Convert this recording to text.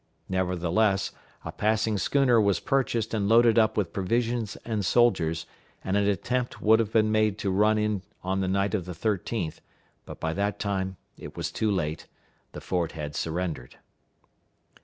Nevertheless, a passing schooner was purchased and loaded up with provisions and soldiers, and an attempt would have been made to run in on the night of the 13th, but by that time it was too late. The fort had surrendered.